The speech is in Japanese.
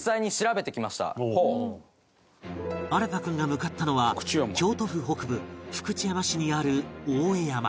創君が向かったのは京都府北部福知山市にある大江山